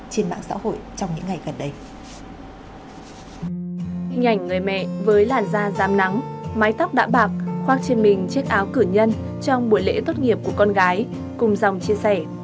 hình ảnh người mẹ với làn da dám nắng mái tóc đã bạc khoác trên mình chiếc áo cửa nhân trong buổi lễ tốt nghiệp của con gái cùng dòng chia sẻ